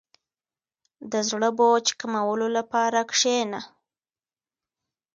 • د زړه بوج کمولو لپاره کښېنه.